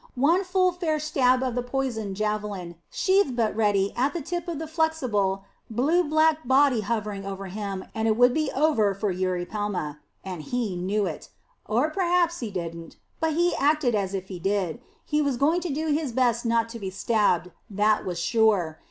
One full fair stab of the poisoned javelin, sheathed but ready at the tip of the flexible, blue black body hovering over him, and it would be over with Eurypelma. And he knew it. Or perhaps he didn't. But he acted as if he did. He was going to do his best not to be stabbed; that was sure.